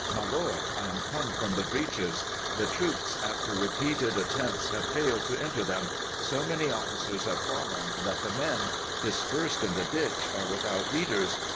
"'My lord, I am come from the breaches. The troops after repeated attempts, have failed to enter them. So many officers have fallen that the men, dispersed in the ditch, are without leaders.